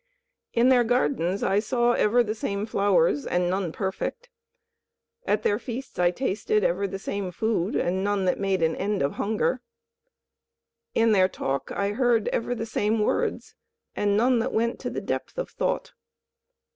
In their gardens I saw ever the same flowers, and none perfect. At their feasts I tasted ever the same food, and none that made an end of hunger. In their talk I heard ever the same words, and none that went to the depth of thought.